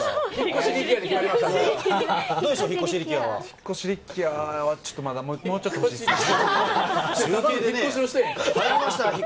引っ越し力也は、ちょっと、まだもうちょっと欲しいですね。